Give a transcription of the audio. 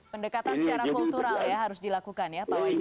pendekatan secara kultural ya harus dilakukan ya pak wahyudi